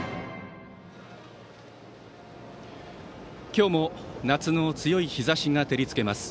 今日も夏の強い日ざしが照り付けます。